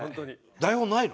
台本ないの？